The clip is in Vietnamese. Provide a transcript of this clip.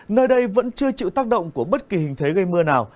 nơi đây vẫn chưa chịu tác động của bất kỳ hình thế gây mưa nào